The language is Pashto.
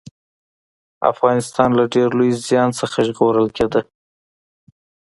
افغانستان له ډېر لوی زيان څخه ژغورل کېده